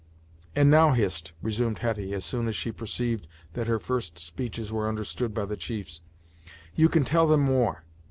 "And, now, Hist," resumed Hetty, as soon as she perceived that her first speeches were understood by the chiefs, "you can tell them more.